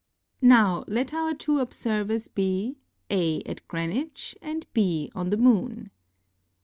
Now let our two observers be, A at Greenwich and B on the Moon.